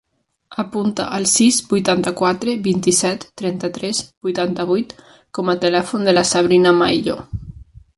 Apunta el sis, vuitanta-quatre, vint-i-set, trenta-tres, vuitanta-vuit com a telèfon de la Sabrina Maillo.